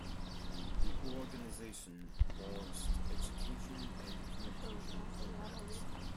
The organization launched education and communication programs.